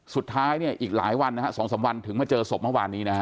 สุดท้ายเนี่ยอีกหลายวันนะฮะ๒๓วันถึงมาเจอศพเมื่อวานนี้นะฮะ